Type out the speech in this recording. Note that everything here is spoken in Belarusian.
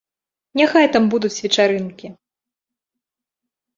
Няхай там будуць вечарынкі.